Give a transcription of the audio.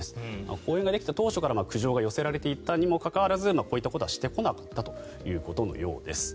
公園ができた当初から苦情が寄せられていたにもかかわらずこういったことはしてこなかったということのようです。